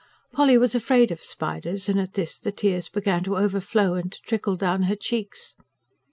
Polly was afraid of spiders; and at this the tears began to overflow and to trickle down her cheeks.